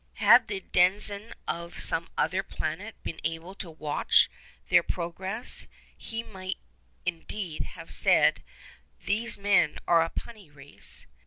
Had the denizen of some other planet been able to watch their progress, he might indeed have said 'these men are a puny race.